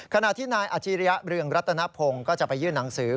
ขณะที่นายอาชิริยะเรืองรัตนพงศ์ก็จะไปยื่นหนังสือ